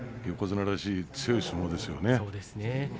横綱らしい強い相撲ですね。